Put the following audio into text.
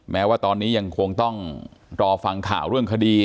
แม้ว่าตอนนี้ยังคงต้องรอฟังข่าวเรื่องคดี